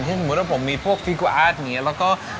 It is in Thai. สมมุติว่าผมมีพวกฟีโก้อาร์ตนี้แล้วก็